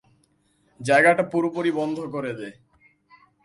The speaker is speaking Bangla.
জায়গাটা পুরোপুরি বন্ধ করে দে।